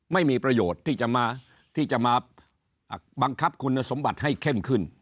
ไม่มีประโยชน์ที่จะมาบังคับคุณสมบัติให้เข้มขึ้น